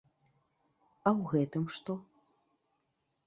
А ў гэтым што?